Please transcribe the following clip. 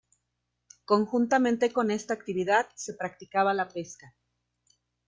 Conjuntamente con esta actividad se practicaba la pesca.